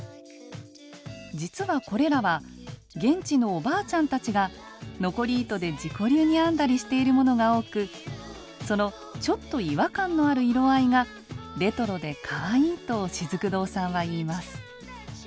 実はこれらは現地のおばあちゃんたちが残り糸で自己流に編んだりしているものが多くそのちょっと違和感のある色合いがレトロでかわいいとしずく堂さんは言います。